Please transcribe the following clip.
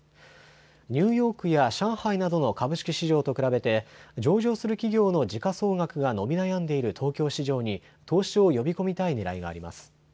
ニューヨークや上海などの株式市場と比べて上場する企業の時価総額が伸び悩んでいる東京市場に投資を呼び込みたいねらいがあります。